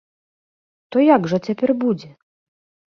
То як жа цяпер будзе?